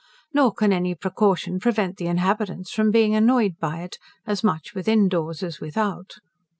Nor can any precaution prevent the inhabitants from being annoyed by it, as much within doors as without.